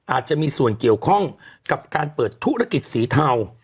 อาจจะมีส่วนเกี่ยวข้องกับการเปิดธุรกิจสีเทา